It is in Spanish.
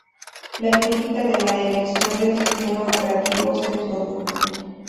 La crítica de la elección del sistema operativo se produjo.